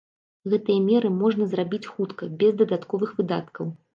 Гэтыя меры можна зрабіць хутка, без дадатковых выдаткаў.